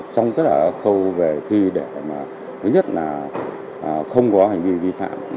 trong các khâu về thi để thứ nhất là không có hành vi vi phạm